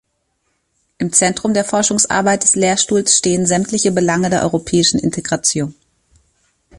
Im Zentrum der Forschungsarbeit des Lehrstuhls stehen sämtliche Belange der Europäischen Integration.